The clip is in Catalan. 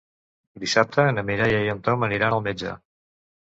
Dissabte na Mireia i en Tom aniran al metge.